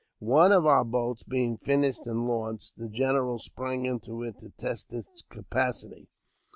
One of our boats being finished and launched, the general sprang into it to test its capacity.